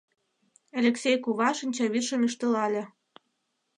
— Элексей кува шинчавӱдшым ӱштылале.